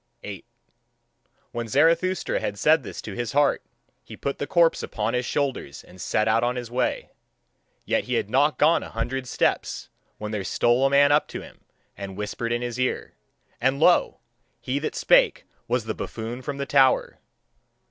8. When Zarathustra had said this to his heart, he put the corpse upon his shoulders and set out on his way. Yet had he not gone a hundred steps, when there stole a man up to him and whispered in his ear and lo! he that spake was the buffoon from the tower.